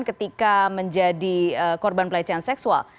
ketika menjadi korban pelecehan seksual